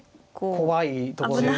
怖いところですよ。